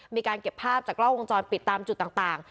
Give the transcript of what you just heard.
มีการเก็บภาพจากกล้องวงจรปิดตามจุดต่าง